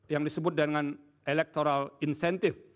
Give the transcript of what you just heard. yang disebut dengan electoral incentive